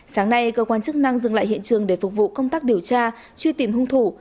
sáng nay cơ quan chức năng dừng lại hiện trường để phục vụ công tác điều tra truy tìm hung thủ